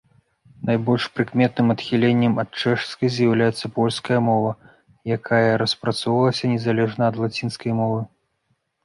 Найбольш прыкметным адхіленнем ад чэшскай з'яўляецца польская мова, якая распрацоўвалася незалежна ад лацінскай мовы.